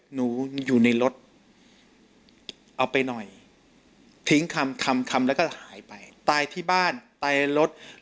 หนูในรถ